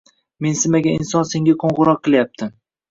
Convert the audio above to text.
mensimagan inson senga qo‘ng‘iroq qilyapti.